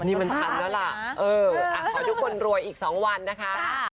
นี่มันชันแล้วล่ะเออขอให้ทุกคนรวยอีก๒วันนะคะ